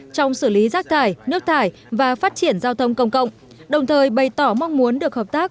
trong xử lý rác thải nước thải và phát triển giao thông công cộng đồng thời bày tỏ mong muốn được hợp tác